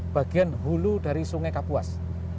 bagian hulu dari sungai kapuas